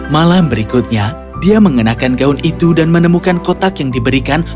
malam berikutnya dia mengenakan gaun itu dan menemukan kotak yang diberikan